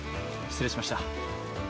失礼しました。